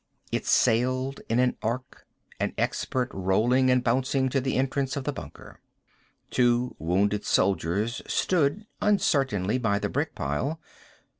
It sailed in an arc, an expert, rolling and bouncing to the entrance of the bunker. Two Wounded Soldiers stood uncertainly by the brick pile.